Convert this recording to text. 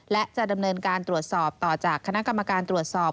และจะดำเนินการตรวจสอบต่อจากคณะกรรมการตรวจสอบ